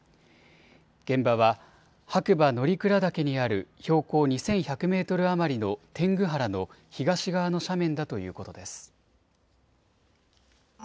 現場は白馬乗鞍岳にある標高２１００メートル余りの天狗原の東側の斜面だということです。